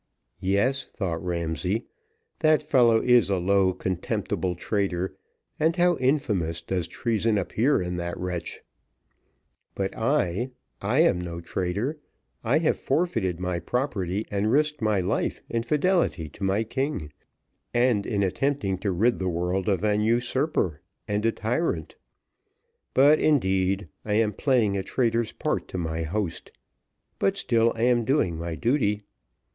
"Yes," thought Ramsay, "that fellow is a low, contemptible traitor, and how infamous does treason appear in that wretch! but I I am no traitor I have forfeited my property and risked my life in fidelity to my king, and in attempting to rid the world of a usurper and a tyrant. Here, indeed, I am playing a traitor's part to my host, but still I am doing my duty.